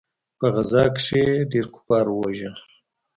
په غزا کښې يې ډېر کفار ووژل.